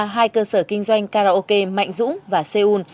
hai cơ sở kinh doanh karaoke mạnh dũng và seoul